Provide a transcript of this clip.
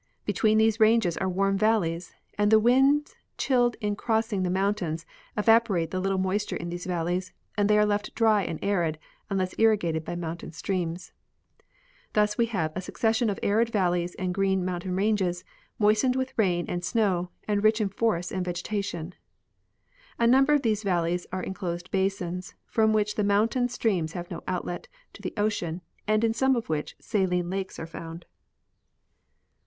Between these ranges are warm valleys, and the winds chilled in crossing the mountains evaporate the little moisture in these valle3^s, and they are left dry and arid unless irrigated by mountain streams. Thus we have a succession of arid valleys and green mountain ranges moistened with rain and snow, and rich in forests and vegetation. A number of these valleys are enclosed basins, from which the mountain streams have no outlet to the ocean and in some of which saline lakes are found.